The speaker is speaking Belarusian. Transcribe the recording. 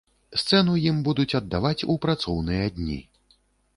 Сцэну ім будуць аддаваць у працоўныя дні!